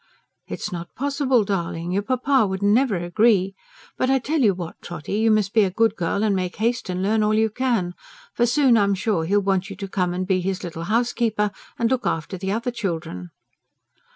"It's not possible, darling. Your papa would never agree. But I tell you what, Trotty: you must be a good girl and make haste and learn all you can. For soon, I'm sure, he'll want you to come and be his little housekeeper, and look after the other children."